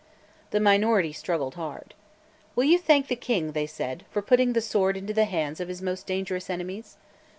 The minority struggled hard. "Will you thank the King," they said, "for putting the sword into the hands of his most dangerous enemies?